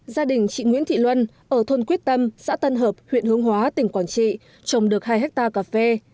gia đình chị nguyễn thị luân ở thôn quyết tâm xã tân hợp huyện hướng hóa tỉnh quảng trị trồng được hai hectare cà phê